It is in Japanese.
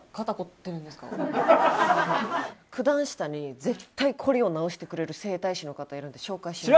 九段下に絶対こりを治してくれる整体師の方いるんで紹介します。